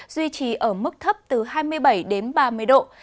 duy trì ở mức thấp từ hai mươi bảy đến ba mươi độ